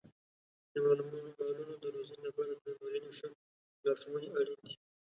د مالونو د روزنې لپاره د درملنې ښه لارښونې اړین دي.